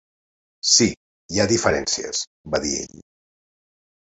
"Sí, hi ha diferències", va dir ell.